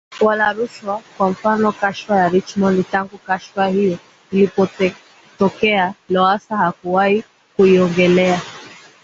wala rushwa Kwa mfano kashfa ya Richmond Tangu kashfa hiyo ilipotokea Lowassa hakuwahi kuiongelea